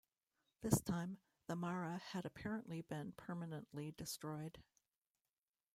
This time, the Mara had apparently been permanently destroyed.